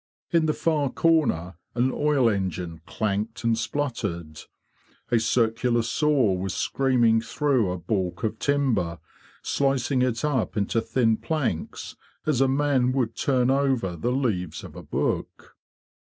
In the far corner an oil engine clanked and spluttered. A circular saw was screaming through a baulk of timber, slicing it up into thin planks as a man would turn over the leaves of a book.